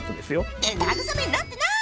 って慰めになってない！